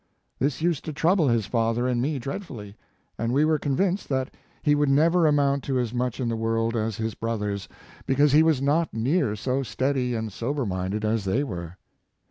This used to trouble his father and me dreadfully, and w$ were convinced that he would never amount to as much in the world as His Life and Work his brothers, because he was not near so steady and sober minded as they were.